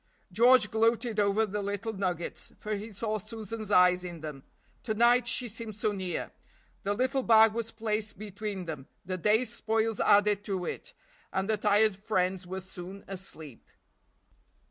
George gloated over the little nuggets, for he saw Susan's eyes in them. To night she seemed so near. The little bag was placed between them, the day's spoils added to it, and the tired friends were soon asleep.